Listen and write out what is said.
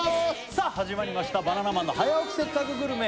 さあ始まりました「バナナマンの早起きせっかくグルメ！！」